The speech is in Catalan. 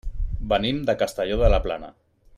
Venim de Castelló de la Plana.